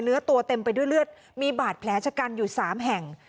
เนื้อตัวเต็มไปด้วยเลือดมีบาดแผลชะกันอยู่๓แห่ง